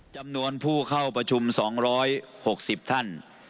จำนวนผู้เข้าประชุม๒๖๐ท่าน